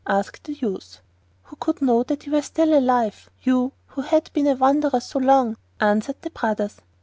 asked the youth. 'Who could know that you were still alive—you who have been a wanderer so long?' answered the brothers.